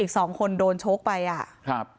อีกสองคนโดนชกไปอ่ะครับ